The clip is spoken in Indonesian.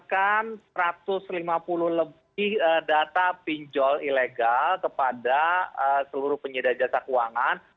kita akan satu ratus lima puluh lebih data pinjol ilegal kepada seluruh penyedia jasa keuangan